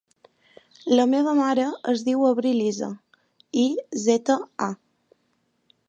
La meva mare es diu Avril Iza: i, zeta, a.